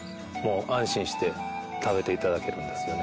安心して食べて頂けるんですよね。